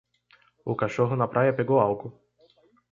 O cachorro na praia pegou algo.